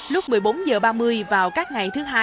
lúc một mươi bốn h ba mươi vào các ngày thứ hai